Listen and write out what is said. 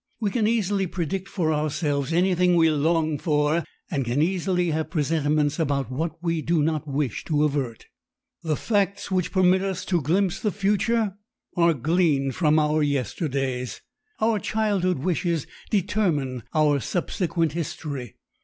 We can easily predict for ourselves anything we long for, and can easily have presentiments about what we do not wish to avert. The facts which permit us to glimpse the future are gleaned from our yesterdays. Our childhood wishes determine our subsequent history.